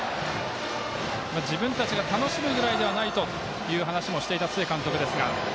自分たちが楽しむぐらいでないとという話もしていた須江監督ですが。